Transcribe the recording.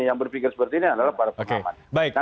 yang berpikir seperti ini adalah para pengaman